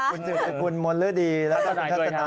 คุณสืบสุขุนมนต์เลือดดีและสนัยด้วยครับ